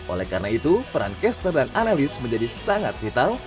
oleh karena itu peran caster dan analis menjadi sangat vital